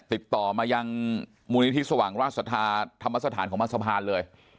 ติดต่อเมื่ออย่างบุญทธิสวังราชสถาธรรมสถานของมหสพานเลย